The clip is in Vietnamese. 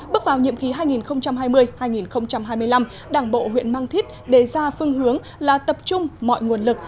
bước vào nhiệm kỳ hai nghìn hai mươi hai nghìn hai mươi năm đảng bộ huyện mang thít đề ra phương hướng là tập trung mọi nguồn lực